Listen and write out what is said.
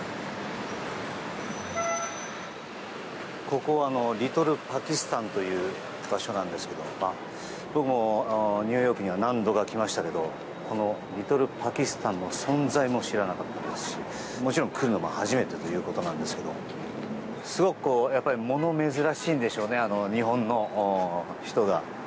ここはリトルパキスタンという場所なんですけど僕もニューヨークには何度か来ましたけどこのリトルパキスタンの存在も知らなかったですしもちろん来るのも初めてということなんですけどすごく物珍しいんでしょうね日本人が。